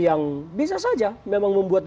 yang bisa saja memang membuat